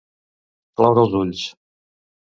Cloure els ulls.